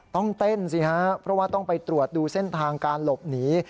ต้องเต้นสิฮะเพราะว่าต้องไปตรวจดูเส้นทางการหลบหนี